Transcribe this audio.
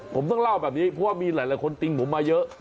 ผมต้องเล่าแบบนี้เพราะว่ามีหลายคนติ้งผมมาเยอะ